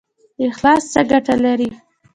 اخلاص څه ګټه لري؟